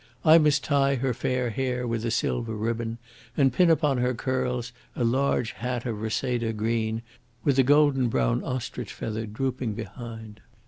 I must tie her fair hair with a silver ribbon, and pin upon her curls a large hat of reseda green with a golden brown ostrich feather drooping behind.